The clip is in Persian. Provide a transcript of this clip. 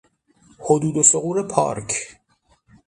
حدود و ثغور پارک